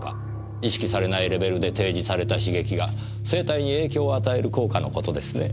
意識されないレベルで提示された刺激が生体に影響を与える効果のことですね。